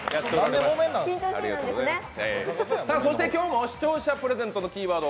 そして今日も視聴者プレゼントのキーワードを